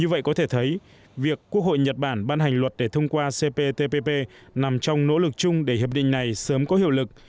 như vậy có thể thấy việc quốc hội nhật bản ban hành luật để thông qua cptpp nằm trong nỗ lực chung để hiệp định này sớm có hiệu lực